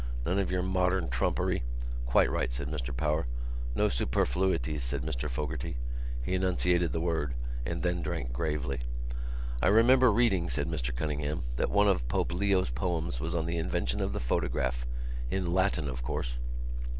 None of your modern trumpery...." "Quite right," said Mr Power. "No superfluities," said Mr Fogarty. He enunciated the word and then drank gravely. "I remember reading," said Mr Cunningham, "that one of Pope Leo's poems was on the invention of the photograph—in Latin, of course."